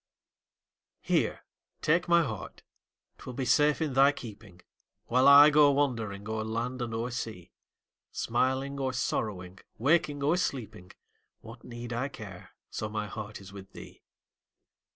Here, take my heart 'twill be safe in thy keeping, While I go wandering o'er land and o'er sea; Smiling or sorrowing, waking or sleeping, What need I care, so my heart is with thee?